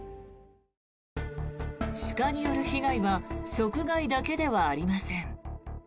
鹿による被害は食害だけではありません。